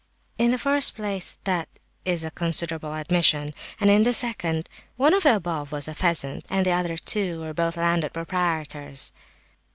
"In the first place, that is a considerable admission, and in the second place, one of the above was a peasant, and the other two were both landed proprietors!"